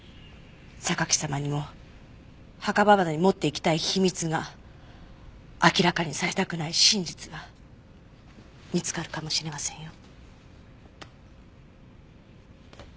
榊様にも墓場まで持っていきたい秘密が明らかにされたくない真実が見つかるかもしれませんよ。